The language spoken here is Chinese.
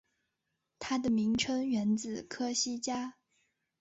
它的名称源自科西嘉。